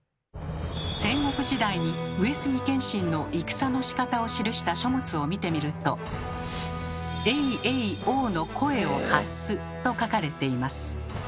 戦国時代に上杉謙信の戦のしかたを記した書物を見てみると「曳々応の声を発す」と書かれています。